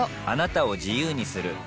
あなたを自由にする